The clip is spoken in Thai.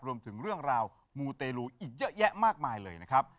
รวมถึงเรื่องราวมูเตลูอีกเยอะแยะมากมายเลยนะครับ